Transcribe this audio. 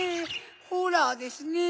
ホラーですねぇ。